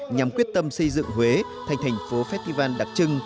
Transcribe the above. nhằm quyết tâm xây dựng huế thành thành phố festival đặc trưng